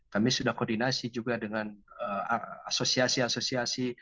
kami sudah koordinasi juga dengan asosiasi asosiasi